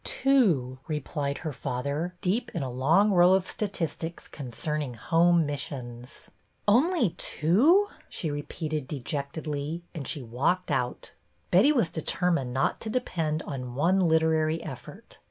Two," replied her father, deep in a long row of statistics concerning Home Missions. Only two! " she repeated dejectedly, and she walked out. Betty was determined not to depend on one literary effort.